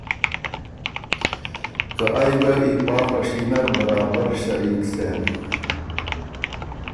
که ائ ګه ای پا خوشي نر برابر شریک سېن۔